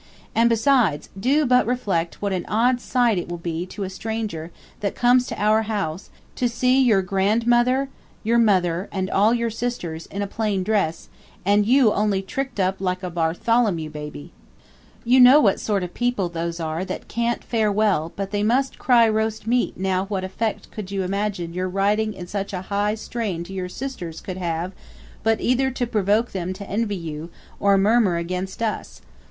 & besides, doe but reflect what an od sight it will be to a stranger that comes to our house to see yr Grandmothr yr Mothr & all yr Sisters in a plane dress & you only trickd up like a bartlemew babby you know what sort of people those are tht can't faire well but they must cry rost meate now what effect could you imagine yr writing in such a high straine to yr Sisters could have but either to provoke thm to envy you or murmur against us.